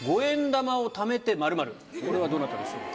これはどなたでしょうか？